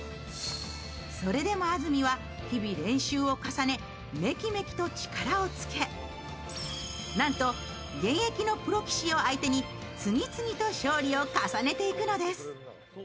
それでも安住は日々練習を重ねめきめきと力をつけなんと現役のプロ棋士を相手に次々と勝利を重ねていくのです。